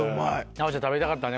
奈央ちゃん食べたかったね。